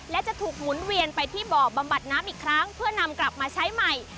และจะถูกหมุนเวียนไปที่บ่อบำบัดน้ำอีกครั้งเพื่อนำกลับมาใช้ใหม่